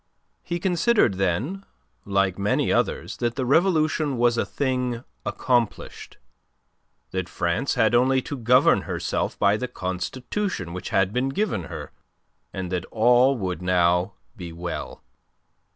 He considered then, like many others, that the Revolution was a thing accomplished, that France had only to govern herself by the Constitution which had been given her, and that all would now be well.